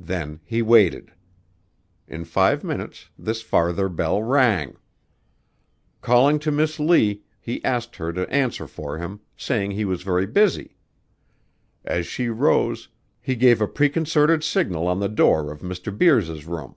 Then he waited. In five minutes this farther bell rang. Calling to Miss Lee, he asked her to answer for him, saying he was very busy. As she rose, he gave a preconcerted signal on the door of Mr. Beers's room.